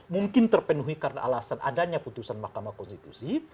mungkin terpenuhi karena alasan adanya putusan mahkamah konstitusi